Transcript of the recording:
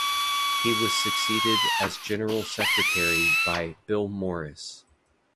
He was succeeded as general secretary by Bill Morris.